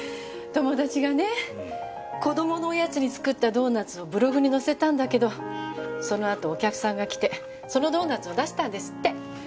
友達がね子供のおやつに作ったドーナツをブログに載せたんだけどそのあとお客さんが来てそのドーナツを出したんですって。